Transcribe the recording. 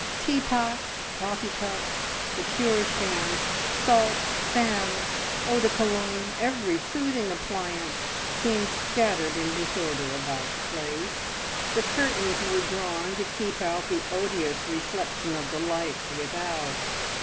Tea pots, coffee cups, liqueur stands, salts, fans, eau de Cologne, every soothing appliance seemed scattered in dis order about the place. The curtains were drawn to keep out the odious reflection of the lights with out.